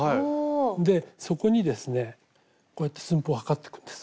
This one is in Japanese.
でそこにですねこうやって寸法測ってくんです。